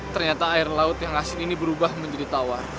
ternyata air laut yang asin ini berubah menjadi tawar